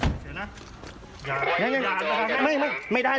รู้จักมั้ย